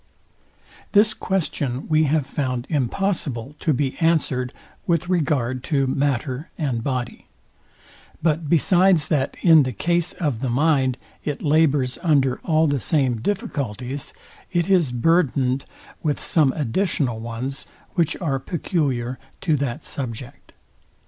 This question we have found impossible to be answered with regard to matter and body: But besides that in the case of the mind, it labours under all the same difficulties, it is burthened with some additional ones, which are peculiar to that subject.